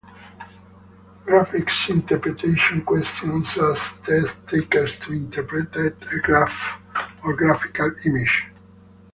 Graphics interpretation questions ask test takers to interpret a graph or graphical image.